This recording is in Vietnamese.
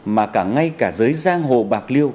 mà cả ngay cả giới giang hồ bạc liêu